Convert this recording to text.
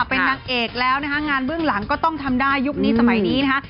เป็นนางเอกแล้วนะคะงานเบื้องหลังก็ต้องทำได้ยุคนี้สมัยนี้นะคะ